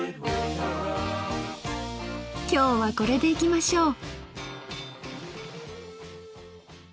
今日はこれでいきましょう。